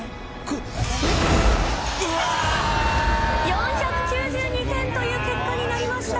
４９２点という結果になりました。